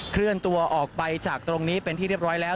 เคลื่อนตัวออกไปจากตรงนี้เป็นที่เรียบร้อยแล้ว